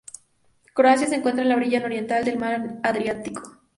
Croacia se encuentra en la orilla nororiental del mar Adriático.